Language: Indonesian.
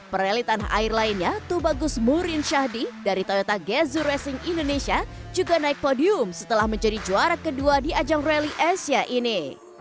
pereli tanah air lainnya tubagus murin syahdi dari toyota gezu racing indonesia juga naik podium setelah menjadi juara kedua di ajang rally asia ini